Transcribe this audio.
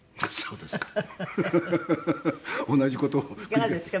いかがですか？